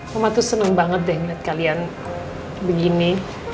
mama tuh seneng banget deh ngeliat kalian begini